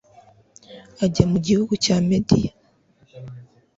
ajya mu gihugu cya mediya